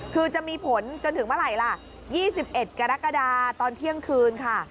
คือจะมีผลจนถึงเมื่อไหร่ล่ะ๒๑กรกฎาตอนเที่ยงคืนค่ะ